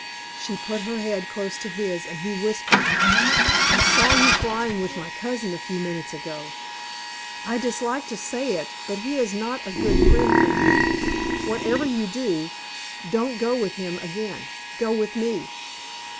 She put her head close to his, and he whispered, "I saw you flying with my cousin a few minutes ago. I dislike to say it, but he is not a good friend for you. Whatever you do, don't go with him again. Go with me."